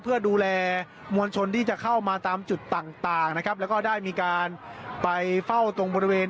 เพื่อดูแลมวลชนที่จะเข้ามาตามจุดต่างต่างนะครับแล้วก็ได้มีการไปเฝ้าตรงบริเวณ